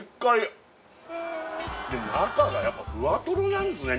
で中がやっぱふわとろなんですね